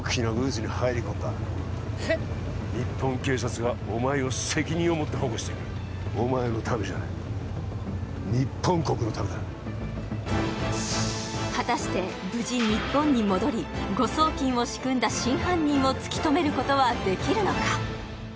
日本警察がお前を責任を持って保護してくれるお前のためじゃない日本国のためだ果たして無事日本に戻り誤送金を仕組んだ真犯人を突き止めることはできるのか？